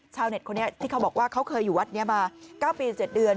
ชาวเน็ตคนนี้ที่เขาบอกว่าเขาเคยอยู่วัดนี้มา๙ปี๗เดือน